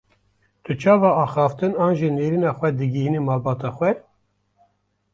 Tu çawa axaftin an jî nêrîna xwe digihîne malbata xwe?